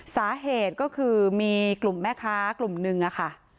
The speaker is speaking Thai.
สาเหตุก็คือมีกลุ่มแม่ค้ากลุ่มนึงอะค่ะ